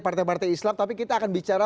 partai partai islam tapi kita akan bicara